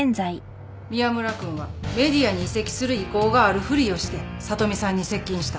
宮村君はＭＥＤＩＡに移籍する意向があるふりをして聡美さんに接近した。